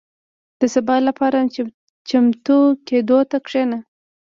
• د سبا لپاره چمتو کېدو ته کښېنه.